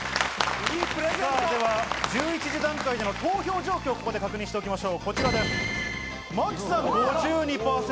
１１時段階での投票状況を確認しておきましょう。